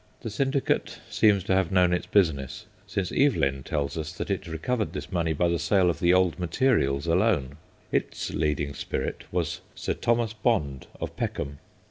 The syndicate seems to have known its business, since Evelyn tells us that it re covered this money by the sale of the old materials alone. Its leading spirit was Sir Thomas Bond, of Peckham.